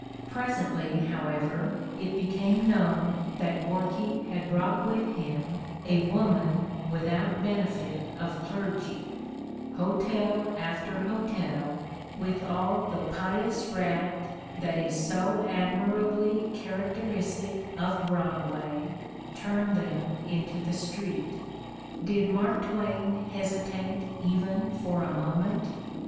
Presently, however, it became known that Gorky had brought with him a woman without benefit of clergy: hotel after hotel, with all the pious wrath that is so admirably characteristic of Broadway, turned them into the street. Did Mark Twain hesitate even for a moment